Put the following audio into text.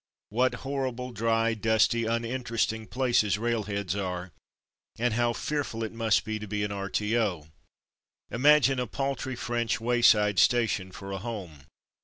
What horrible dry, dusty, un interesting places railheads are, and how fearful it must be to be an R.T.O. ! Imagine a paltry French wayside station for a home.